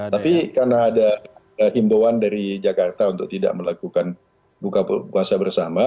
tapi karena ada himbauan dari jakarta untuk tidak melakukan buka puasa bersama